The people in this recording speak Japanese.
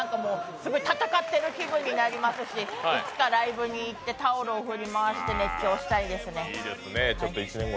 すごい戦ってる気分になりますし、いつかライブに行ってタオルを振り回して熱狂したいですね。